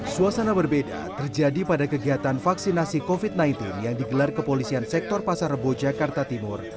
suasana berbeda terjadi pada kegiatan vaksinasi covid sembilan belas yang digelar kepolisian sektor pasar rebo jakarta timur